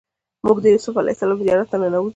موږ د یوسف علیه السلام زیارت ته ننوتو.